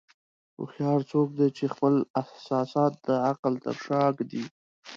هوښیار څوک دی چې خپل احساسات د عقل تر شا ږدي.